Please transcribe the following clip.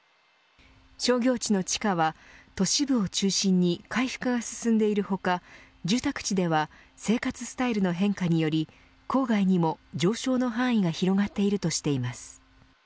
商業地の地価は都市部を中心に回復が進んでいる他住宅地では生活スタイルの変化により郊外にも上昇の範囲が広がっているとしています。